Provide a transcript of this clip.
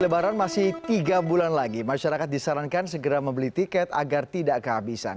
lebaran masih tiga bulan lagi masyarakat disarankan segera membeli tiket agar tidak kehabisan